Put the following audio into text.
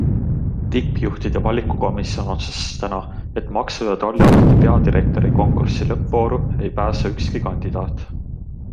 Tippjuhtide valikukomisjon otsustas täna, et maksu- ja tolliameti peadirektori konkursi lõppvooru ei pääse ükski kandidaat.